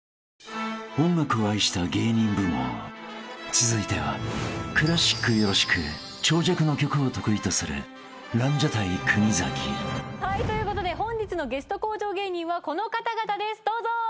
［続いてはクラシックよろしく長尺の曲を得意とするランジャタイ］ということで本日のゲスト向上芸人はこの方々ですどうぞ！